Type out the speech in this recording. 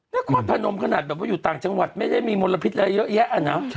นครพนมขนาดแบบว่าอยู่ต่างจังหวัดไม่ได้มีมลพิษอะไรเยอะแยะอะนะ